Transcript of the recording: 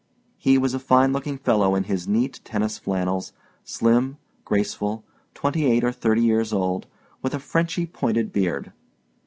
He was a fine looking fellow in his neat tennis flannels, slim, graceful, twenty eight or thirty years old, with a Frenchy pointed beard.